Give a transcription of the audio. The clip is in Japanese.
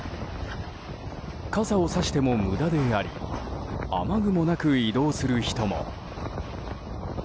傘を差しても無駄であり雨具もなく移動する人も。